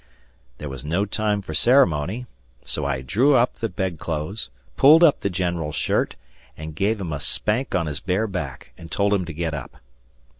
There was no time for ceremony, so I drew up the bedclothes, pulled up the general's shirt, and gave him a spank on his bare back, and told him to get up.